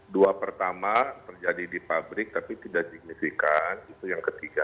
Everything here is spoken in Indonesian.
dua pertama terjadi di pabrik tapi tidak signifikan itu yang ketiga